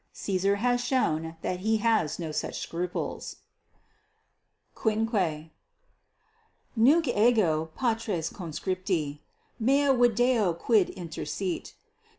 Caesar has shown that he has no such scruples._ =5.= Nunc ego, patres conscripti, mea video quid intersit.